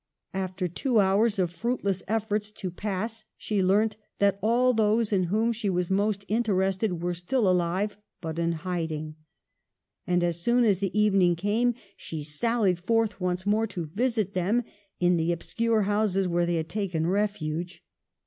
After two hours of fruitless efforts to pass, she learnt that all those in whom she was most interested were still alive, but in hiding ; and, as soon as the evening came, she sallied forth once more to visit them in the obscure houses where they had taken refuge.